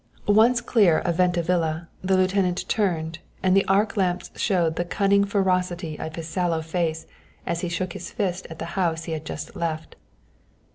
Once clear of Venta Villa, the lieutenant turned, and the arc lamps showed the cunning ferocity of his sallow face as he shook his fist at the house he had just left.